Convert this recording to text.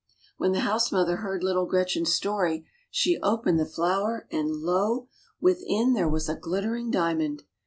When the house mother heard little Gretchen' s story, she opened the flower, and lo ! within there was a glit tering diamond